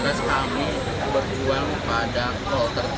itu kami menjadi ukang untuk pks